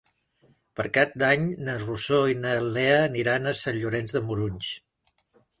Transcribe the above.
Per Cap d'Any na Rosó i na Lea aniran a Sant Llorenç de Morunys.